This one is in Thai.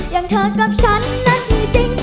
อย่างเธอกับฉันนั้นจริง